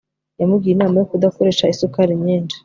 yamugiriye inama yo kudakoresha isukari nyinshi